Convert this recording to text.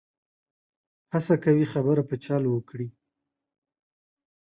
هڅه کوي خبره په چل وکړي.